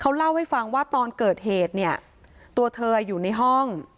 เล่าให้ฟังว่าตอนเกิดเหตุเนี่ยตัวเธออยู่ในห้อง